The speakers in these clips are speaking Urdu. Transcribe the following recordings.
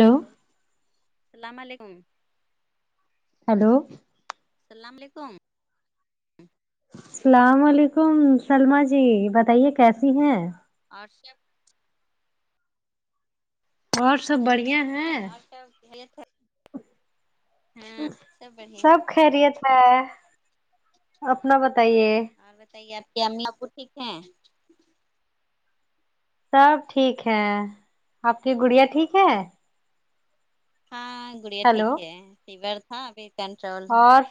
ہیلو سلام علیکم ہیلو سلام علیکم سلام علیکم سلما جی بتائیے کیسی ہیں اور سب اور سب بڑھیا ہیں ہیں اور سب خیریت ہے ہاں بڑھیا سب خیریت ہے اپنا بتائیے اور بتائیے آپ کی امی ابو ٹھیک ہیں سب ٹھیک ہے آپ کی گڑیا ٹھیک ہے ہاں گڑیا ہیلو ٹھیک ہے فیور تھا ابھی کنٹرول ہے اور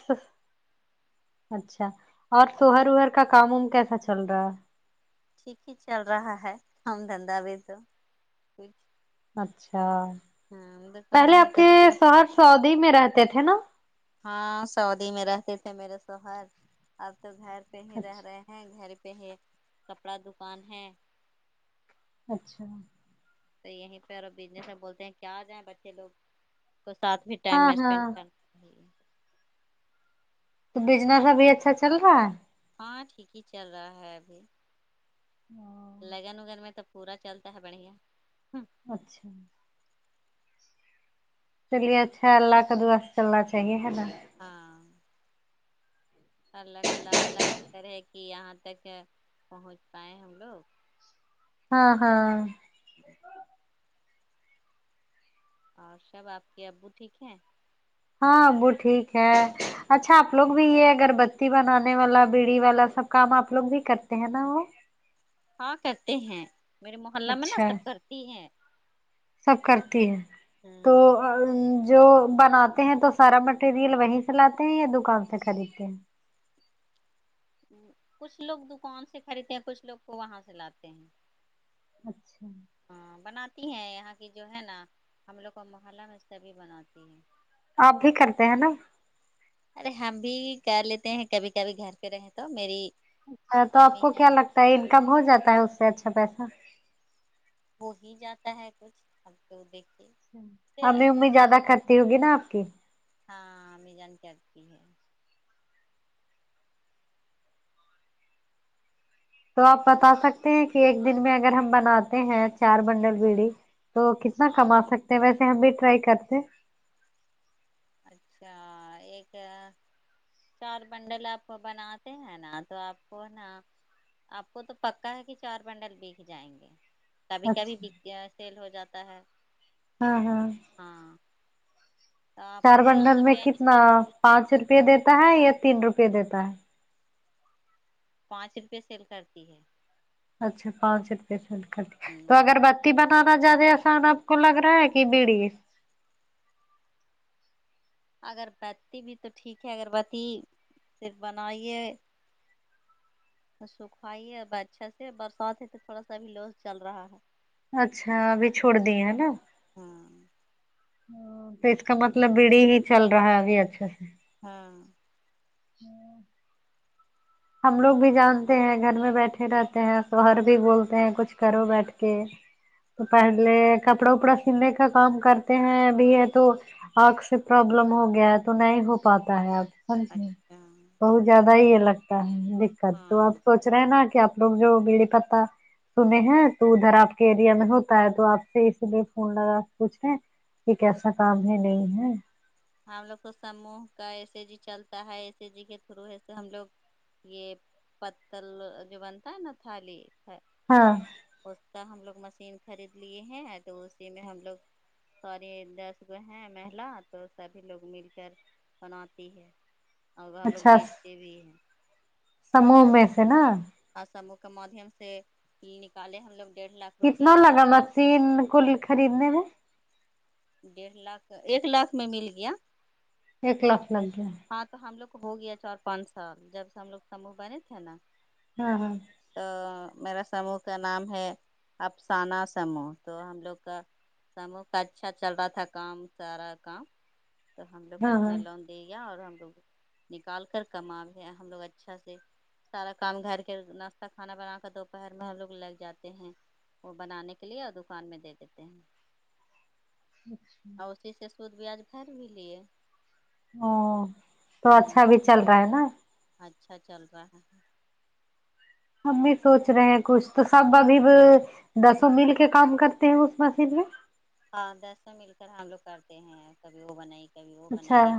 اچھا اور سوہر اوہر کا کام وام کیسا چل رہا ہے ٹھیک ہی چل رہا ہے کام دھندہ بھی تو ٹھیک اچھا دکان پہلے ہے آپ تو کے دکان سوہر سعودی میں رہتے تھے ناں ہاں سعودی میں رہتے تھے میرے سوہر اب تو گھر پہ ہی رہ رہے اچھا ہیں گھر پہ ہے کپڑا دکان ہے اچھا تو یہیں پہ بزنس میں بولتے ہیں کیا آ جائیں بچے لوگ کو ساتھ بھی ٹائم ہاں میں اسپینڈ ہاں کر جی تو بزنس ابھی اچھا چل رہا ہے ہاں ٹھیک ہی چل رہا ہے ابھی ہاں لگن وگن میں تو پورا چلتا ہے بڑھیا اچھا چلیے اچھا اللہ کا دعا سے چلنا چاہیے ہے نا ہاں اللہ کہ لاک لاک طرح کہ یہاں تک پہنچ پائائے ہم لوگ ہاں ہاں اور سب آپ کے ابو ٹھیک ہیں ہاں وہ ٹھیک ہے اچھا آپ لوگ بھی یہ اگر بتی بنانے والا بیڑی والا سب کام آپ لوگ بھی کرتے ہیں نا وہ ہاں کرتے ہیں میرے محلہ میں نا اچھا سب کرتی ہے سب کرتی ہے تو جو بناتے ہیں تو سارا مٹیریل وہیں سے لاتے ہیں یا دکان سے خریدتے ہیں کچھ لوگ دکان سے خریدتے ہیں کچھ لوگ کو وہاں سے لاتے ہیں اچھا ہاں بناتی ہیں یہاں کی جو ہے نا ہم لوگ کو محلہ میں سبھی بناتی ہے آپ بھی کرتے ہیں نا ارے ہم بھی کر لیتے ہیں کبھی کبھی گھر پہ رہے تو میری اچھا تو آپ امی کو ہے کیا لگتا ہے انکم ہو جاتا ہے اس سے اچھا پیسہ ہو ہی جاتا ہے کچھ ہم کو دیکھ کے امی امی زیادہ کرتی ہوگی نا آپ کی ہاں امی جان کرتی ہے تو آپ بتا سکتے ہیں کہ ایک دن میں اگر ہم بناتے ہیں چار بنڈل بیڑی تو کتنا کما سکتے ہیں ویسے ہم بھی ٹرائی کرتے ہیں اچھا ایک چار بنڈل آپ کو بناتے ہیں نا تو آپ کو نا آپ کو تو پکا ہے کی چار پنڈل بیک جائیں گے کبھی کبھی بیک اچھا گیا سیل ہو جاتا ہے ہاں ہاں ہاں تو آپ چار کا اس بنڈل سے میں کتنا بینیفٹ ہو پانچ سکتا ہے روپے دیتا ہے یا تین روپے دیتا ہے پانچ روپئے سیل کرتی ہے اچھا پانچ روپے سیل کرتی تو ہ اگر بت تی بنانا زیادہ آسان آپ کو لگ رہا ہے کی بیڑی اگر بتی بھی تو ٹھیک ہے اگربتی صرف بنائیے سکھائی ہے اب اچھا سے برسات ہے تو تھوڑا سا ابھی لوس چل رہا ہے اچھا ابھی چھوڑ دیے ہے نا ہاں تو اس کا مطلب بڑی ہی چل رہا ہے ابھی اچھے سے ہاں ہمم ہم لوگ بھی جانتے ہیں گھر میں بیٹھے رہتے ہیں شوہر بھی بولتے ہیں کچھ کرو بیٹھ کے تو پہلے کپڑا وپڑا سنے کا کام کرتے ہیں ابھی ہے تو آنکھ سے پرابلم ہو گیا ہے تو نہیں ہو پاتا ہے اب اچھا بہت زیادہ ارے ہی یے لگتا ہے دقت تو ہاں آپ کو سوچ رہے نا کہ آپ لوگ جو بیڑی پتا سنے ہیں تو ادھر آپ کے ایریا میں ہوتا ہے تو آپ سے اسی لیے فون لگا پوچھیں یے کیسا کام ہے نہیں ہے ہم لوگ کو سموہ کا ایس ای جی چلتا ہے ایس ای جی کے تھرو ایسے ہم لوگ یے پتل جو بنتا ہے نا تھالی ہاں پوچھتا ہم لوگ مشین خرید لیے ہیں تو اسی میں ہم لوگ سوری دس گوہ ہیں مہلا تو سبھی لوگ مل کر بناتی ہے اور ہم لوگ اچھا بیچتے بھی ہیں سموہ میں سے نا آ سموہ کے مادھیم سے یہل نکالے ہم لوگ ڈیڑھ لاکھ روپیہ کتنا لگا مسین کو خرید نے میں ڈیڑھ لاکھ ایک لاکھ میں مل گیا ایک لاکھ میں مل گیا ہاں تو ہم لوگ کو ہو گیا چار پانچ سال جب سے ہم لوگ سوہ بنے تھے نا ہاں ہاں تو میرا سمو کا نام ہے افسانہ سموہ تو ہم لوگ کا سمو کا اچھا چل رہا تھا کام سارا کام تو ہم لوگ کو ہاں اتنا ہاں لون دے گیا اور ہم لوگ نکال کر کما بھی ہم لوگ اچھا سے سارا کام گھر کے ناشتہ کھانا بنا کر دوپہر میں ہم لوگ لگ جاتے ہیں وہ بنانے کے لیے اور دکان میں دے دیتے ہیں اچھا اور اسی سے سودد بیاج بھر بھی لیے او تو ہاں اچھا بھی چل رہا ہے نا اچھا چل رہا ہے ہم بھی سوچ رہے ہیں کچھ تو سب ابھی دسوں مل کے کام کرتے ہیں اس مشین میں ہاں دسو مل کر ہم لوگ کرتے ہیں کبھی وہ بنائی کبھی وہ اچھا بنائی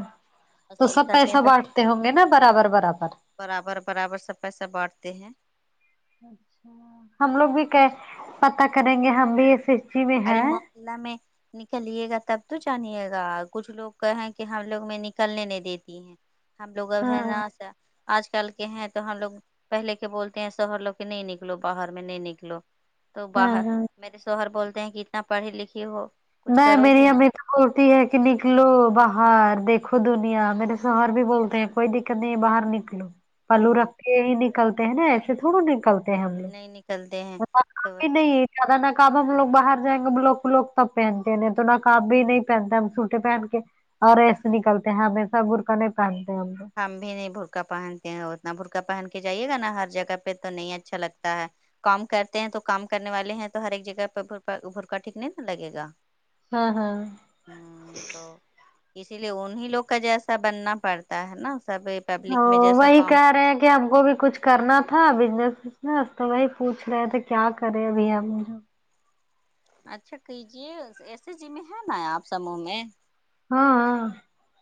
اور تو سیل سب کرتے ہیں پیسہ تو بانٹتے ہوں گے نا برابر برابر برابر برابر سب پیسہ بانٹتے ہیں ہم لوگ بھی کہ پتاہ کریں گے ہم بھی ایے ارے محلہ میں نکلیے گا تب تو جانیے گا کچھ لوگ کہیں کہ ہم لوگ میں نکلنے نہیں دیتی ہم لوگ ہاں ہے نہ آج کل کے ہیں تو ہم لوگ پہلے کے بولتے ہیں سہر لو کہ نہیں نکلو باہر میں نہیں نکلو تو ہاں باہر ہاں میرے سوہر بولتے ہیں کہ اتنا پڑھی لکھی ہو نہ کچھ کرو میری گی نا ہمیں بول تی ہے کہ نکلو باہر دیکھو دنیا میرے شوہر بھی بولتے ہیں کوئی دقت نہیں ہے باہر نکلو پلو ہ رکھتے ہی نکلتے ہیں نا ایسے تھوڑو نکلتے ہم لوگ نہیں نکلتے ہیں کام تو ہی نہیں زیادہ نہ کام ہم لوگ باہر جائیں گے لوگ لوگ تب پہنتے ہیں تو نقاب بھی نہیں پہنتا ہے ہم سوٹے پہن کے اور ایسے نکلتے ہیں ہمیشہ برکھا نہیں پہنتے ہم لوگ ہم بھی نہیں بھرکا پہنتے ہیں اتنا بھرکا پہن کے جائیے گا نا ہر جگہ پہ تو نہیں اچھا لگتا ہے کام کرتے ہیں تو کام کرنے والے ہیں تو ہر ایک جگہ پہا بھرکا ٹھیکنے نا لگے گا ہاں ہاں ہ تو اسی لیے انیں لوگ کا جیسا بننا پڑتا ہے نا سب ہ پبلک میں جیسا وہی کام کہہ رہے ہیں کہ ہم کو بھی کچھ کرنا تھا بزنس بزنس تو وہی پوچھ رہے تھے کیا کرے ابھی ہم جو اچھا کہجیے ایس ایس جی میں ہے نا آپ سموہ میں ہاں ہاں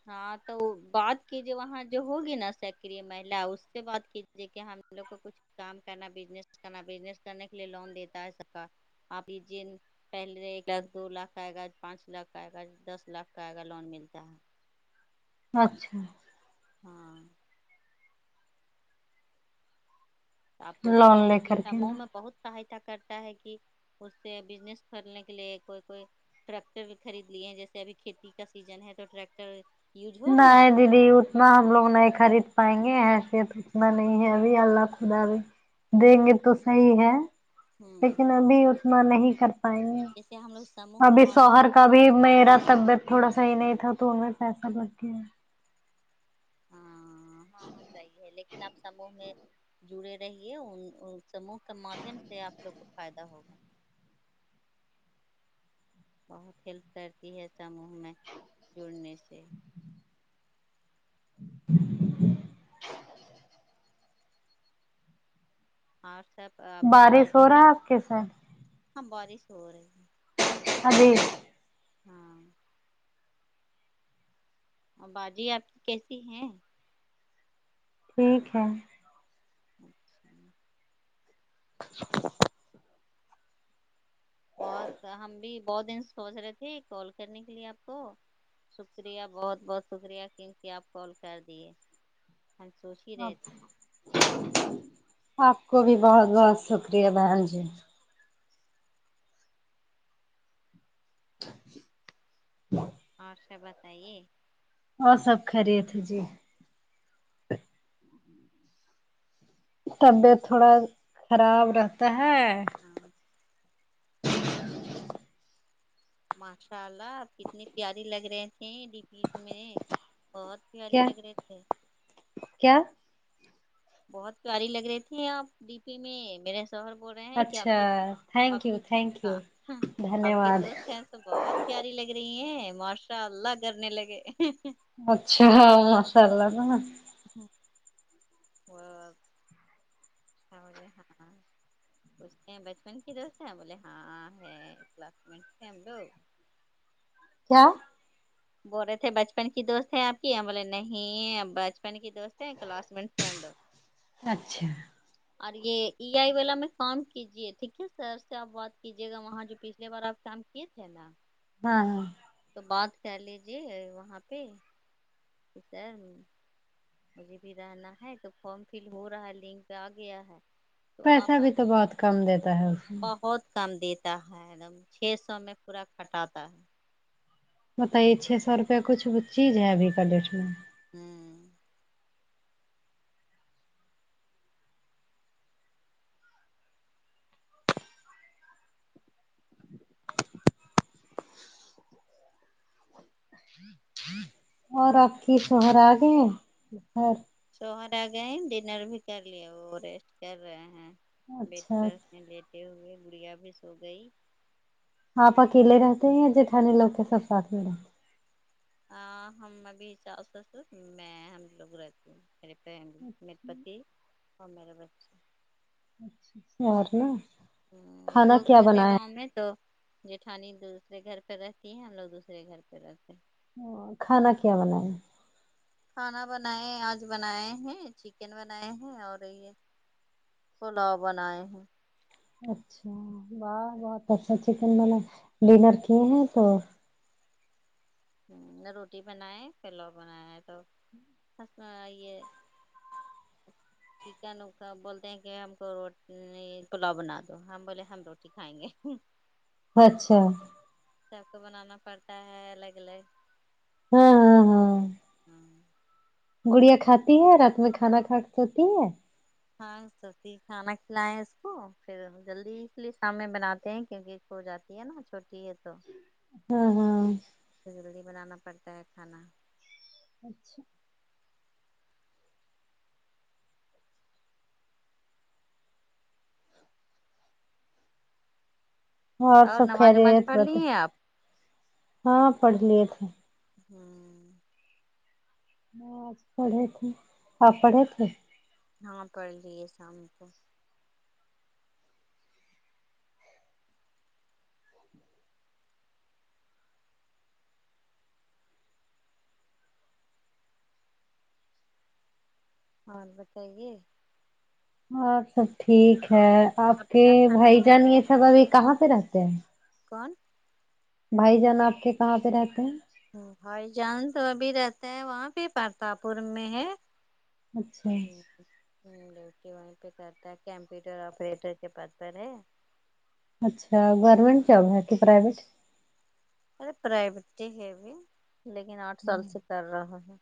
ہاں تو بات کیجیے وہاں جو ہوگی نا سکر مہلا اس سے بات کیجیے کہ ہم لوگ کو کچھ کام کرنا بزنس کرنا بزنس کرنے کے لیے لون دیتا سکا آپ ج پہلے ایک لاکھ دو لاکھ کا آئے گا پانچ لاکھ کا آئے گا دس لاکھ کا آئے گا لون ملتا ہے اچھا ہاں تو آپ پوچھتے لون ہیں لے کہ کر کے سموہ نا میں بہت سہایتا کرتا ہے کہ اس سے بزنس کرنے کے لیے کوئی کوئی ٹریکٹر خرید لیے ہیں جیسے ابھی کھیتی کا سیزن ہے تو ٹریکٹر یوج ہوگا نا نہیں دیدی اتنا ہم لوگ نہیں خرید پائیں گے حیثیت اتنا نہیں ہے ابھی اللہ خدا بھی دیں گے تو صحیح ہے ہوں لیکن ابھی اتنا نہیں کر پائیں گے جیسے ہم لوگ سموہ کے ابھی مادھیم شوہر کا بھی ابھی میرا طبیعت تھوڑا صحیح نہیں تھا تو ان میں پیسہ بڑ گیا ہاں ہاں ہاں صحیح ہے لیکن آپ سمو میں جڑے رہیے ان سمو کے مادھیم سےآپ لوگ کو فائدہ ہوگا بہت ہیلپ کرتی ہے سموہ میں جڑنے سے ہاں سب آپ کی بارش باتی ہو رہا ٹھیک ہے آپ کے ساتھ ہاں بارش ہو رہی ہے ہاں جی ہاں باجی آپ کی کیسی ہے ٹھیک ہے اچھا بہت ہم بھی بہت دن سوچ رہے تھے کال کرنے کے لیے آپ کو شکریہ بہت بہت شکریہ کیوں کہ آپ کال کر دیے هم سونچ آپ کو بھی بہت بہت شکریہ بہن جی اور سب بتائیے اور سب خیریت ہے جی طبیعت تھوڑا خراب رہتا ہے ہاں ماشاء اللہ آپ کتنی پیاری لگ رہے تھے ڈی پی میں بہت پیاری کیا لگ رہے تھے کیا بہت پیاری لگ رہی تے آپ ڈی پی میں میرے شوہر بول رہے ہیں کہ آپ اچھا کی تھینک آپ یو کی تھینک یو دھنیہ آپ کے واد دوست ہیں سو بہت پیاری لگ رہی ہیں ماشاء اللہ گنے لگے اچھا ماشاء اللہ اور ہولے ہاں ہاں پوچھتے ہیں بچپن کی دوست ہیں بولے ہاں ہے کلاس میٹ تھے ہم لوگ کیا بول رہے تھے بچپن کی دوست ہے آپ کی ہم بولے نہیں بچپن کی دوست ہیں کلاس میٹ تھے ہم لوگ اچھا اور یہ ای آئی والا میں کام کیجیے ٹھیک ہے سر سے آپ بات کیجیے گا وہاں جو پچھلیے بار آپ کام ٹھیک ہے نہ ہائے تو بات کر لیجیے وہاں پہ کی سر مجھے بھی رہنا ہے تو فارم فل ہو رہا ہے لنک آ گیا ہے تو پیسہ آپ بھی تو بہت کم دیتا ہے اس میں بہت کم دیتا ہے ایک دم چھ سو میں پورا کھٹاتا ہے بتائیے چھ سو روپے کچھ چیز ہے ابھی کل ریٹ میں ہوں اور آپ کے شوہر اگئے ہیں اور شوہر آ گئے ہیں ڈنر بھی کر لیا وہ ریسٹ کر رہے ہیں بیٹھ اچھا پر لیتے ہوئے گڑیا بھی سو گئی آپ اکیلے رہتے ہیں یا جٹھانی لوگ کے سب ساتھ ملے ہاں ہم ابھی چار میں ہم لوگ رہتی ہوں میری فیملی میرے پتی اور میرے بچے اچھاچ اور نا [unintelligible] دو کھانا کیا گھر ہے گاؤں بنایا میں تو جیٹھانی دوسرے گھر پہ رہتی ہے ہم لوگ دوسرے گھر پہ رہتے ہیں کھانا کیا بناائے کھانا بنائے آج بنائے ہیں چکن بنائے ہیں اور یہ پلاؤ بنائے ہیں اچھا واہ بہت اچھا چکن میں نے ڈنر کیے ہیں تو ہوں انڈا روٹی بنائے فلو بنیا ہے تو میں آئی یہ چٹکن بولتے ہیں کہ ہم کو رو پلاؤ بنا دو ہم بولے ہم روٹی کھائیں گے اچھا سب کو بنانا پڑتا ہے الگ الگ ہاں ہاں ہاں ہاں گڑیا کھاتی ہے رات میں کھانا کھا سو تی ہے ہاں سوتی ہے کھانا کھلائیں اس کو پھر جلدی اس لیے شامنے بناتے ہیں کیونکہ سو جاتی ا چھوٹی ہے تو ہاں ہاں جلدی بنانا پڑتا ہے کھانا اچھا اور سب نماز وماز خیریت پڑھ لی ہیں آپ ہاں پڑھلی تھے ہ ہاں اج پڑھے تھے آپ پڑھے تھے ہاں پڑھ لیے شام کو اور بتائیے ہاں سب ٹھیک ہے آپ کے کیا کھانا بھائی جان بنائیے یہ سب ابھی کہاں پہ رہتے ہیں کون بھائی جان آپ کے کہاں پہ رہتے ہیں ہھائی جان تو ابھی رہتا ہے وہاں پہ پرتا پور میں ہے اچھا ٹھیک ہے ہ ل کہ وہیں پہ کرتا ہے کمپیوٹر آپریٹر کے پد پر ہے [unintelligible] اچھا گورنمنٹ جاب ہے کہ پرائیویٹ ارے پرائیویٹ تو ہے بھی لیکن آٹھ سال سے کر رہا ہے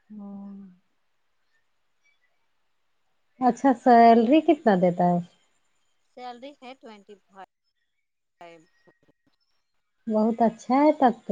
ہ اچھا سیلری کتنا دیتا ہے سیلری ہے ٹوینٹی فائی فائی بہت اچھا ہے تب تو